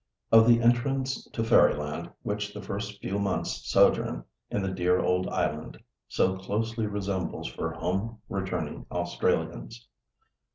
Of the entrance to fairyland which the first few months' sojourn in the dear old island so closely resembles for home returning Australians.